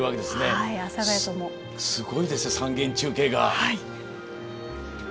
すごいですね、３現中継が。